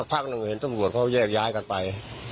พักเห็นสมรวจพวกเขาแยกย้ายกันไป